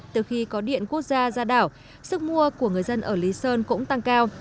từ khi có điện quốc gia ra đảo sức mua của người dân ở lý sơn cũng tăng cao